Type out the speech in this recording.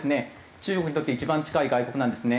中国にとって一番近い外国なんですね。